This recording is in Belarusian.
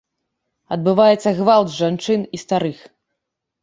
Адбываецца гвалт з жанчын і старых.